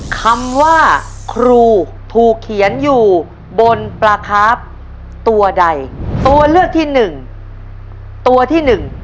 คำว่าครูถูกเขียนอยู่บนปลาคาร์ฟตัวใดตัวเลือกที่หนึ่งตัวที่หนึ่ง